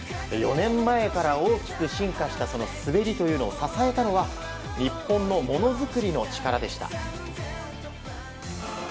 ４年前から大きく進化した滑りというのを支えたのは日本のものづくりの力でした。